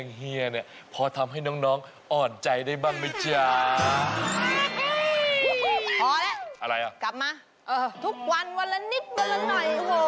นี่มันทำให้เราน่าอ่อนเพลีย